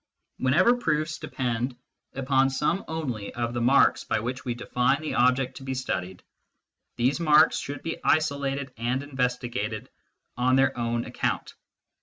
Whenever proofs depend upon some only of the marks by which we define the object to be studied, these marks should be isolated and investigated on their own account.